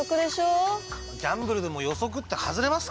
ギャンブルでも予測って外れますからね。